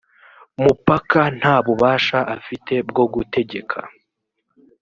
mupaka nta bubasha afite bwo gutegeka